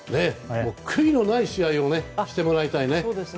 悔いのない試合をしてもらいたいね。